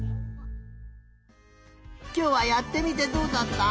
きょうはやってみてどうだった？